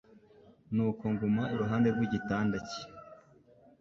nuko nguma iruhande rw'igitanda cye.